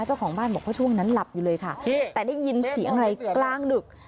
เจ้าของบ้านบอกว่าช่วงนั้นหลับอยู่เลยค่ะแต่ได้ยินเสียงอะไรกลางดึก